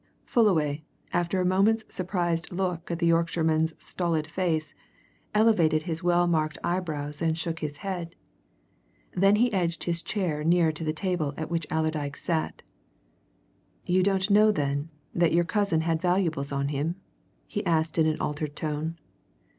Fullaway, after a moment's surprised look at the Yorkshireman's stolid face, elevated his well marked eyebrows and shook his head. Then he edged his chair nearer to the table at which Allerdyke sat. "You don't know, then, that your cousin had valuables on him?" he asked in an altered tone.